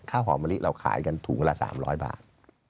หอมมะลิเราขายกันถุงละ๓๐๐บาท